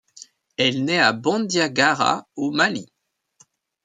Elle naît à Bandiagara au Mali.